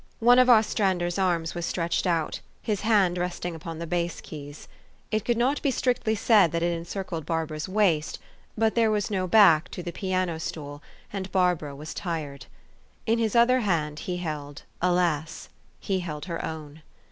One of Ostrander 's arms was stretched out, his hand resting upon the bass keys. It could not be strictly said' that it encircled Barbara's waist ; but there was no back to the piano stool, and Barbara THE STORY OF AVIS. was tired. In his other hand he held, alas ! he held her own.